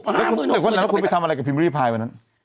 แหล่ะครู๖๙ตอนนั้นคุณไปทำอะไรกับริมาริยาภายในนั้น